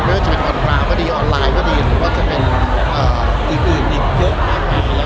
ไม่ว่าจะเป็นก่อนกลางก็ดีออนไลน์ก็ดีหรือว่าจะเป็นอีกอื่นอีกเยอะมากกว่า